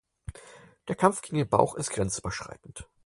Der Kampf gegen den Bauch ist grenzüberschreitend.